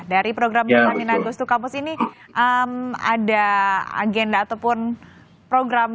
dari program minami nagus to campus ini ada agenda ataupun program